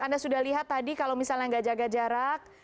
anda sudah lihat tadi kalau misalnya nggak jaga jarak